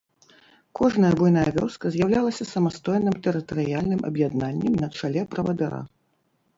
Кожная буйная вёска з'яўлялася самастойным тэрытарыяльным аб'яднаннем на чале правадыра.